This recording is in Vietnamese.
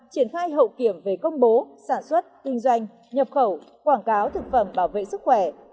triển khai hậu kiểm về công bố sản xuất kinh doanh nhập khẩu quảng cáo thực phẩm bảo vệ sức khỏe